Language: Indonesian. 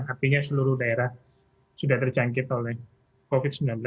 artinya seluruh daerah sudah terjangkit oleh covid sembilan belas